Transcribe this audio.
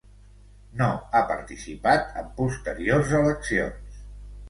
No ha participat en posteriors eleccions.